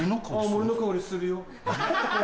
青森の香りするよ。